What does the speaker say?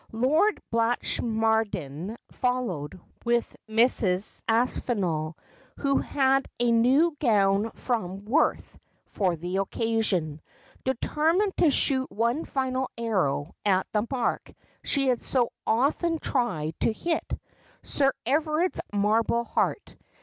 Lord Blatch mardean followed with Mrs. Aspinall, who had a new gown from Worth for the occasion, determined to shoot one final arrow at the mark she had so often tried to hit, Sir Everard's marble heart.